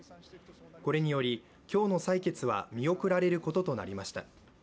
これにより今日の採決は見送られることとなりました。